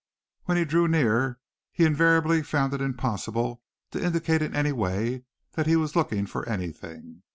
When he drew near he invariably found it impossible to indicate in any way that he was looking for anything.